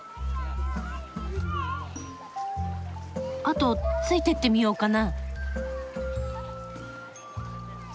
後ついてってみようかな。